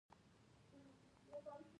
مدیریت څومره مهم دی؟